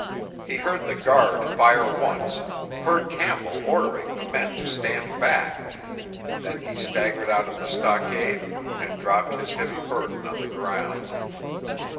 He heard the guard fire once, heard Campbell ordering the men to stand back; then he staggered out of the stockade and dropped his heavy burden on the ground.